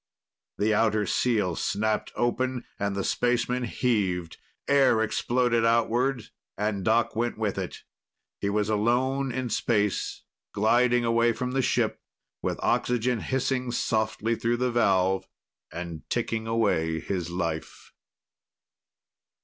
The outer seal snapped open and the spaceman heaved. Air exploded outwards, and Doc went with it. He was alone in space, gliding away from the ship, with oxygen hissing softly through the valve and ticking away his life.